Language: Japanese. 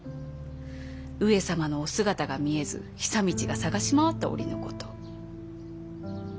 上様のお姿が見えず久通が捜し回った折のこと。